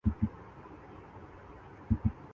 Atlantic daylight time